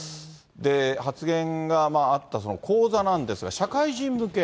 発言があった講座なんですが、社会人向け。